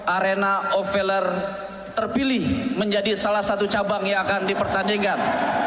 arena ofilar terpilih menjadi salah satu cabang yang akan dipertandingkan